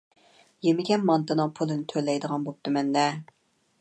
يېمىگەن مانتىنىڭ پۇلىنى تۆلەيدىغان بوپتىمەن-دە.